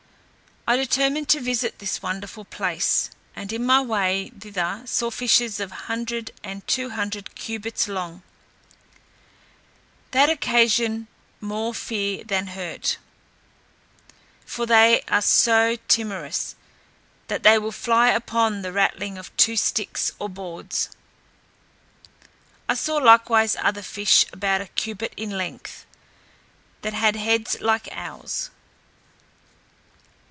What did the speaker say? I determined to visit this wonderful place, and in my way thither saw fishes of 100 and 200 cubits long, that occasion more fear than hurt; for they are so timorous, that they will fly upon the rattling of two sticks or boards. I saw likewise other fish about a cubit in length, that had heads like owls.